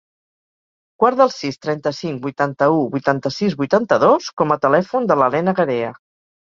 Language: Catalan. Guarda el sis, trenta-cinc, vuitanta-u, vuitanta-sis, vuitanta-dos com a telèfon de la Lena Garea.